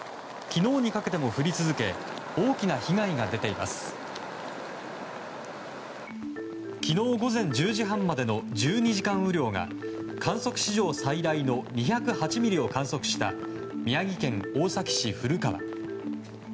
昨日午前１０時半までの１２時間雨量が観測史上最大の２０８ミリを観測した宮城県大崎市古川。